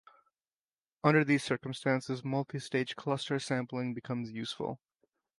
Under these circumstances, multistage cluster sampling becomes useful.